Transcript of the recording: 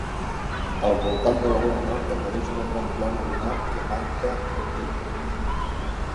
Al voltant de la vora nord apareix una gran plana lunar que manca de nom.